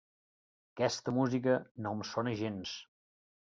Aquesta música no em sona gens.